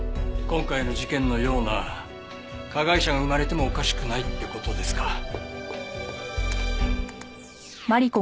今回の事件のような加害者が生まれてもおかしくないって事ですか。